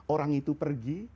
orang itu pergi